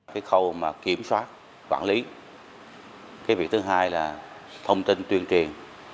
cái khâu mà kiểm soát quản lý cái việc thứ hai là thông tin tuyên truyền